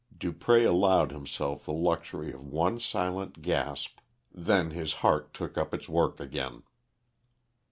Dupré allowed himself the luxury of one silent gasp, then his heart took up its work again.